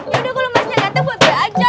yaudah kalau masnya ganteng gue beli aja